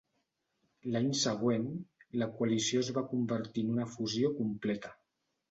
L'any següent, la coalició es va convertir en una fusió completa.